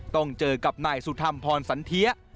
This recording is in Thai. ต้องเจอกับนายสุธรรมพรสันเทีย